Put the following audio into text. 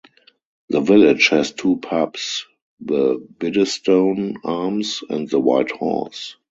The village has two pubs, the Biddestone Arms and the White Horse.